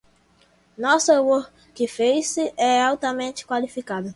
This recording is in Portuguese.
Nossa workforce é altamente qualificada.